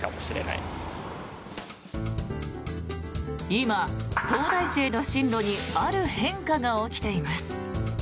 今、東大生の進路にある変化が起きています。